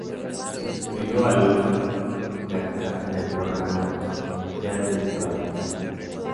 Sustituyó a Lucho Gatica en el programa "Yate del Prado".